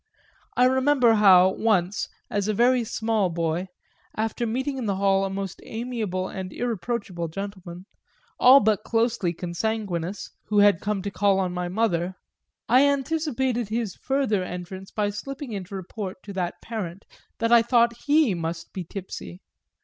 I remember how, once, as a very small boy, after meeting in the hall a most amiable and irreproachable gentleman, all but closely consanguineous, who had come to call on my mother, I anticipated his further entrance by slipping in to report to that parent that I thought he must be tipsy.